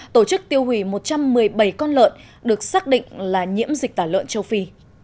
tổ chức tiêu hủy một trăm một mươi bảy con lợn được xác định là nhiễm dịch tả lợn châu phi